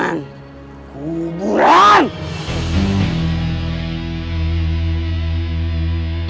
jangan lupa untuk berlangganan